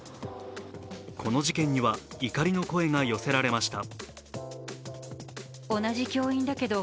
この事件には、怒りの声が寄せられました。